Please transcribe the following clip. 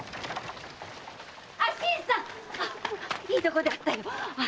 いいとこで会ったよ！